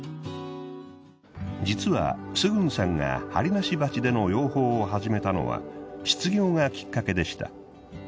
実はスグンさんがハリナシバチでの養蜂を始めたのは失業がきっかけでした。